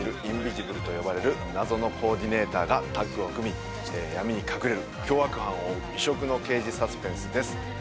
インビジブルとよばれる謎のコーディネーターがタッグを組み闇に隠れる凶悪犯を追う異色の刑事サスペンスです